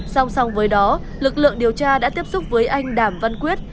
song song với đó lực lượng điều tra đã tiếp xúc với anh đàm văn quyết